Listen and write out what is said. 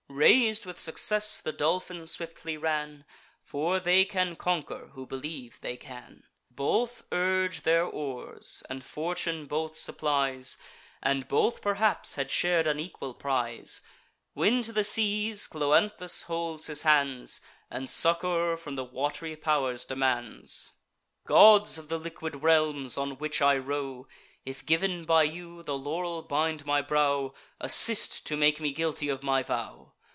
Rais'd with success, the Dolphin swiftly ran; For they can conquer, who believe they can. Both urge their oars, and fortune both supplies, And both perhaps had shar'd an equal prize; When to the seas Cloanthus holds his hands, And succour from the wat'ry pow'rs demands: "Gods of the liquid realms, on which I row! If, giv'n by you, the laurel bind my brow, Assist to make me guilty of my vow!